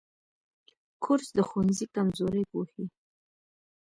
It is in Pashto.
کورس د ښوونځي کمزوري پوښي.